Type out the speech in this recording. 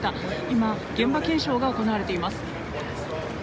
今、現場検証が行われています。